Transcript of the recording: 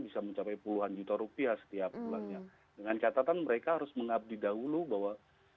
bisa mencapai puluhan juta rupiah setiap bulannya dengan catatan mereka harus mengabdi dahulu bahwa